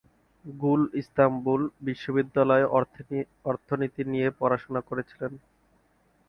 গুল ইস্তাম্বুল বিশ্ববিদ্যালয়ে অর্থনীতি নিয়ে পড়াশোনা করেছিলেন।